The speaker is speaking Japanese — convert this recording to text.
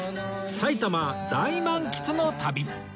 埼玉大満喫の旅！